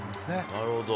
なるほど。